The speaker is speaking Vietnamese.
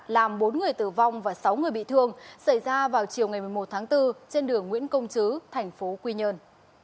làm bốn người tử vong và sáu người bị thương xảy ra vào chiều một mươi một bốn trên đường nguyễn công chứ tp quy nhơn